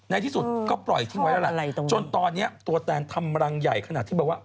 ในที่สุดก็ปล่อยทิ้งไว้แล้วล่ะจนตอนนี้ตัวแตนทำรังใหญ่ขนาดที่แบบว่า